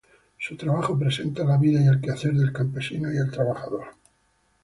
Su trabajo presenta la vida y el quehacer del campesino y el trabajador.